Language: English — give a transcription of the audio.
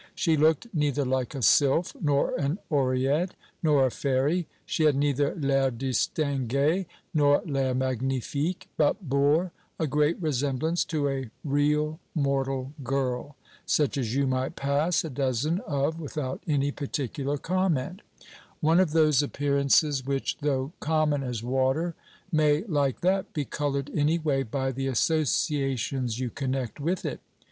She looked neither like a sylph, nor an oread, nor a fairy; she had neither l'air distingué nor l'air magnifique, but bore a great resemblance to a real mortal girl, such as you might pass a dozen of without any particular comment one of those appearances, which, though common as water, may, like that, be colored any way by the associations you connect with it.